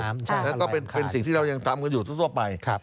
แล้วก็เป็นสิ่งที่เรายังทำกันอยู่ทั่วไป